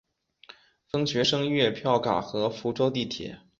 分学生月票卡和福州地铁。